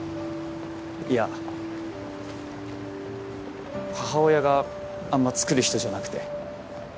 いや母親があんま作る人じゃなくて。